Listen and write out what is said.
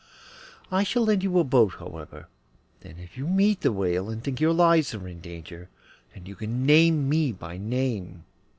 I shall lend you a boat, however, and if you meet the whale and think your lives are in danger, then you can name me by name.